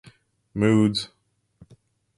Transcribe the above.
Mood.